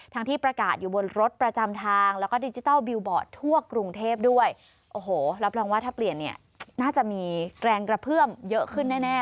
ที่ประกาศอยู่บนรถประจำทางแล้วก็ดิจิทัลบิลบอร์ดทั่วกรุงเทพด้วยโอ้โหรับรองว่าถ้าเปลี่ยนเนี่ยน่าจะมีแรงกระเพื่อมเยอะขึ้นแน่แน่